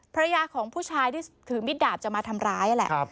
ภรรยาของผู้ชายที่ถือมิดดาบจะมาทำร้ายนั่นแหละ